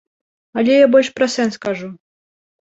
Але я больш пра сэнс кажу.